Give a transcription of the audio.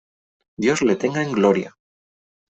dios le tenga en Gloria .